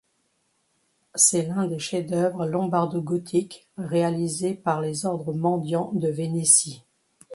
C'est l'un des chefs-d'œuvre lombardo-gothiques réalisés par les ordres mendiants de Vénétie.